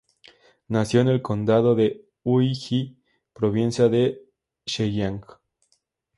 Nació en el condado de Hui Ji, provincia de Zhejiang.